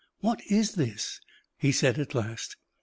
"What is this?" he said, at last.